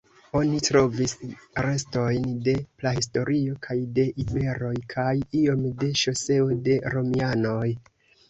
Oni trovis restojn de prahistorio kaj de iberoj kaj iom de ŝoseo de romianoj.